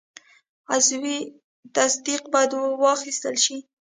عضوي تصدیق باید واخیستل شي.